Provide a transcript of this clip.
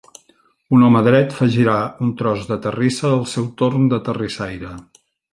Un home dret fa girar un tros de terrissa al seu torn de terrissaire.